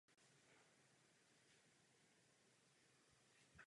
Za této situace prostě už nebylo možné pozice udržet.